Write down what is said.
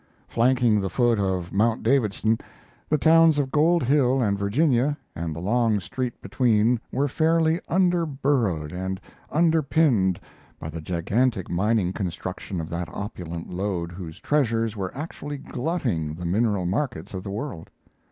Flanking the foot of Mount Davidson, the towns of Gold Hill and Virginia and the long street between were fairly underburrowed and underpinned by the gigantic mining construction of that opulent lode whose treasures were actually glutting the mineral markets of the world.